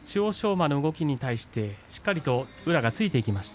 馬の動きに対してしっかりと宇良がついていきました。